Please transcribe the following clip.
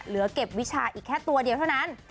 เหลือเก็บวิชาอีกแค่ตัวเดียวเท่านั้น